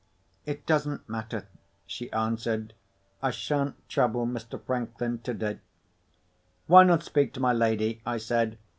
"It doesn't matter," she answered. "I shan't trouble Mr. Franklin, today." "Why not speak to my lady?" I said.